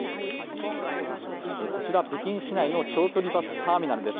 こちら、北京市内の長距離バスターミナルです。